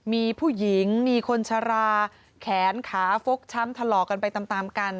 มีผู้หญิงมีคนชะลาแขนขาฟกช้ำถลอกกันไปตามกัน